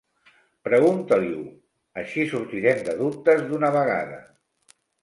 Pregunta-li-ho: així sortirem de dubtes d'una vegada!